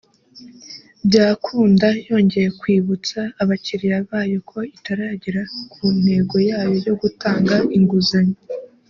Byakunda yongeye kwibutsa abakiriya bayo ko itaragera ku ntego yayo yo gutanga inguzanyo